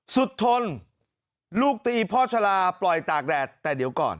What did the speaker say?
ทนลูกตีพ่อชะลาปล่อยตากแดดแต่เดี๋ยวก่อน